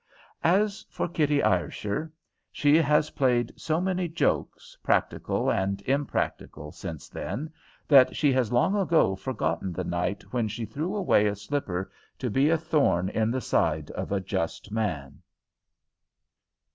As for Kitty Ayrshire, she has played so many jokes, practical and impractical, since then, that she has long ago forgotten the night when she threw away a slipper to be a thorn in the side of a just man.